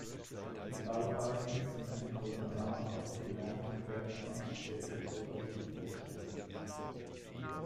Die Arbeiten sind ein Kommentar auf die genormten Wertmaßstäbe bürgerlicher Vorstellungen.